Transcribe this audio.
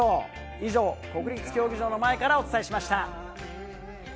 以上、国立競技場の前からお伝えしました。